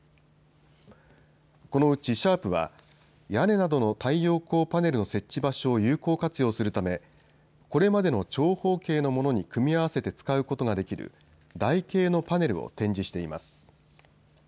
このうちシャープは屋根などの太陽光パネルの設置場所を有効活用するためこれまでの長方形のものに組み合わせて使うことができる台形のパネルを展示しています。